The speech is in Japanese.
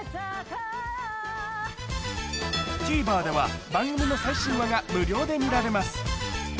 ＴＶｅｒでは番組の最新話が無料で見られます